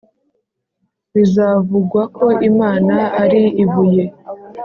bizavugwa ko imana ari ibuye.